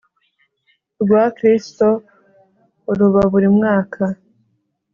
rwa kristo ruba buri mwaka